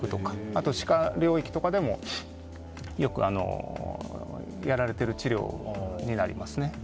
あとは歯科領域とかでもよくやられている治療になります。